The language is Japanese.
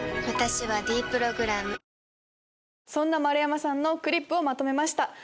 わたしは「ｄプログラム」そんな丸山さんのクリップをまとめました。